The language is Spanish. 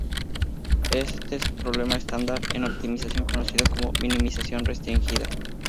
Este es un problema estándar en optimización, conocido como minimización restringida.